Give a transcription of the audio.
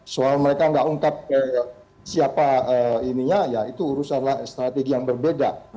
soal mereka enggak ungkap siapa ininya ya itu urusan lah strategi yang berbeda